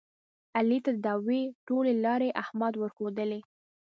علي ته د دعوې ټولې لارې احمد ورښودلې.